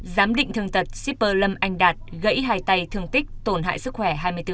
giám định thương tật shipper lâm anh đạt gãy hai tay thương tích tổn hại sức khỏe hai mươi bốn